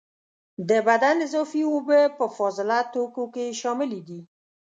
د بدن اضافي اوبه په فاضله توکو کې شاملي دي.